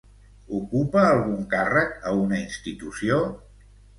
Ocupa algun càrrec a una institució?